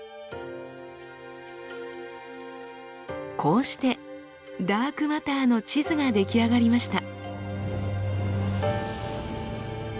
こうしてダークマターの地図が出来上がりました。